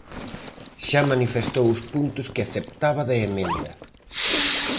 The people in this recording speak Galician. Xa manifestou os puntos que aceptaba da emenda.